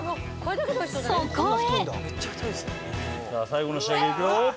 そこへ。